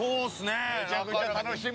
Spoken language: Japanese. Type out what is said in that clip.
めちゃくちゃ楽しみ。